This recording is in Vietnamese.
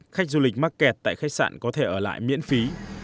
khách du lịch mắc kẹt tại khách sạn có thể ở lại miễn phí